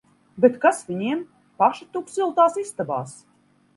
Bet kas viņiem! Paši tup siltās istabās!